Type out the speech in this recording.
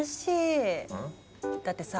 だってさ